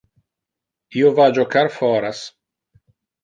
Io va jocar foras.